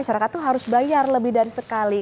masyarakat itu harus bayar lebih dari sekali